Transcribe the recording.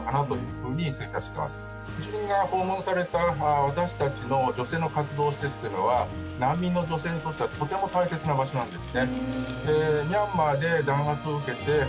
夫人が訪問された私たちの女性の活動施設は難民の女性にとってはとても大切な場所なんです。